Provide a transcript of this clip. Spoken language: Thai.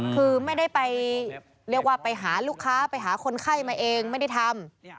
คือไม่ได้ไปเรียกว่าไปหาลูกค้าไปหาคนไข้มาเองไม่ได้ทำ